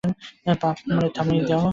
Pump থেমে যাচ্ছে!